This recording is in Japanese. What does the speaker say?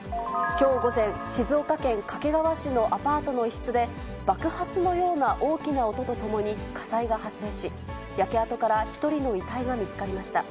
きょう午前、静岡県掛川市のアパートの一室で、爆発のような大きな音とともに火災が発生し、焼け跡から１人の遺体が見つかりました。